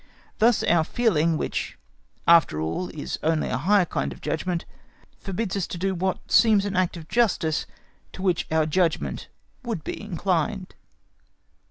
Thus our feeling, which after all is only a higher kind of judgment, forbids us to do what seems an act of justice to which our judgment would be inclined.